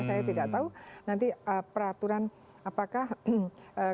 saya tidak tahu nanti peraturan apakah kalau sudah masuk ke judi itu berapa